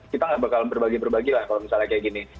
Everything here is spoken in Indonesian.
kita nggak bakal berbagi berbagi lah kalau misalnya kayak gini